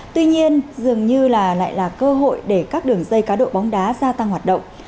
tuy nhiên dường như là lại là cơ hội để các đường dây cá độ bóng đá gia tăng hoạt động